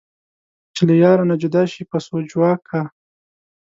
چې له یاره نه جدا شي پسو ژواک کا